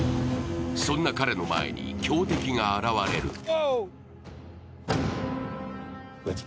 そんな彼の前に強敵が現れる。